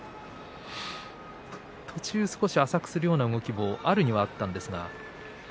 途中少し浅くするような動きもあるにはあったんですが。